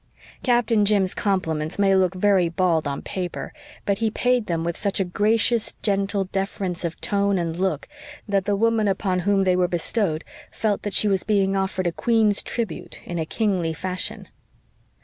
Captain Jim's compliments may look very bald on paper, but he paid them with such a gracious, gentle deference of tone and look that the woman upon whom they were bestowed felt that she was being offered a queen's tribute in a kingly fashion.